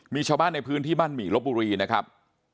มีชาวบ้านในพื้นที่บ้านหมี่ลบบุรีนะครับ